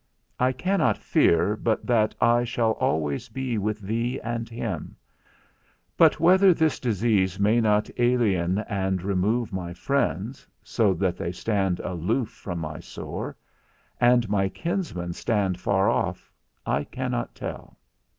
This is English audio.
I cannot fear but that I shall always be with thee and him; but whether this disease may not alien and remove my friends, so that they stand aloof from my sore, and my kinsmen stand afar off, I cannot tell.